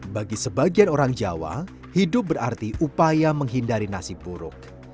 bagi sebagian orang jawa hidup berarti upaya menghindari nasib buruk